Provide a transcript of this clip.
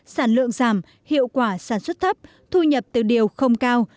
sản lượng giảm hiệu quả sản xuất thấp thu nhập từ điều không cao